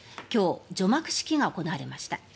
今日、除幕式が行われました。